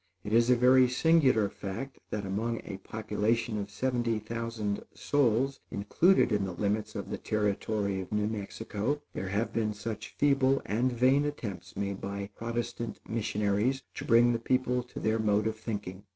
It is a very singular fact that among a population of seventy thousand souls included in the limits of the Territory of New Mexico, there have been such feeble and vain attempts made by Protestant missionaries to bring the people to their mode of thinking.